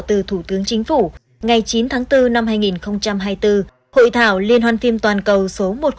từ thủ tướng chính phủ ngày chín tháng bốn năm hai nghìn hai mươi bốn hội thảo liên hoàn phim toàn cầu số một trăm linh